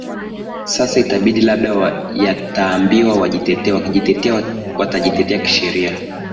sasa itawabidi labda yataambiwa wajitetee wakijitetea watajitetea kisheria